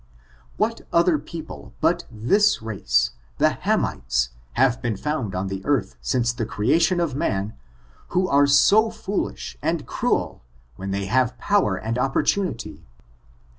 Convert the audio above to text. What other people but this race, the Hamites, have been found on the earth since the creation of man, who are so foolish and cruel, when they have power and opportunity?